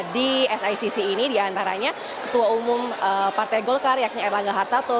di sicc ini diantaranya ketua umum partai golkar yakni erlangga hartarto